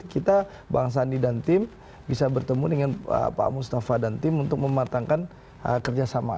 kita bang sandi dan tim bisa bertemu dengan pak mustafa dan tim untuk mematangkan kerjasama